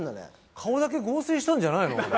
顔だけ合成したんじゃないの？